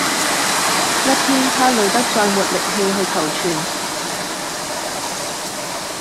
一天他累得再沒力氣去求存